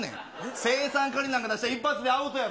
青酸カリなんか出したら一発でアウトやろ。